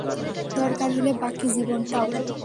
দরকার হলে বাকি জীবনটাও।